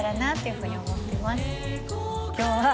今日は。